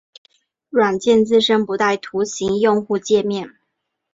软件自身不带图形用户界面。